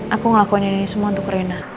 aku ngelakuin ini semua untuk rena